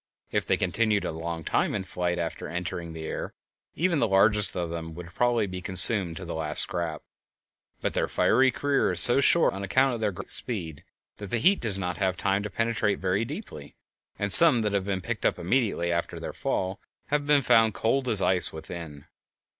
If they continued a long time in flight after entering the air, even the largest of them would probably be consumed to the last scrap, but their fiery career is so short on account of their great speed that the heat does not have time to penetrate very deeply, and some that have been picked up immediately after their fall have been found cold as ice within.